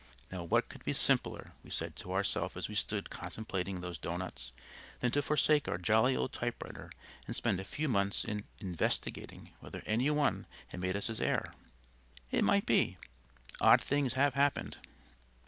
Now what could be simpler (we said to ourself as we stood contemplating those doughnuts) than to forsake our jolly old typewriter and spend a few months in "investigating" whether any one had made us his heir? It might be. Odd things have happened.